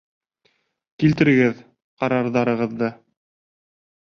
Килтерегеҙ ҡарарҙарығыҙҙы!